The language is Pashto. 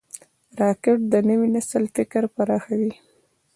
راکټ د نوي نسل فکر پراخوي